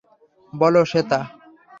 বলো, স্বেতা।